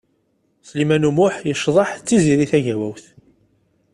Sliman U Muḥ yecḍeḥ d Tiziri Tagawawt.